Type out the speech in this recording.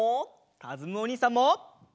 かずむおにいさんも！